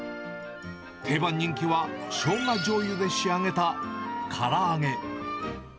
定番人気は、しょうがじょうゆで仕上げたから揚げ。